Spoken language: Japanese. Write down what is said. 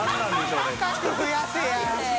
高さ増やせや。